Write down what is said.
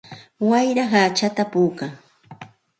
Wayra hachata puukan.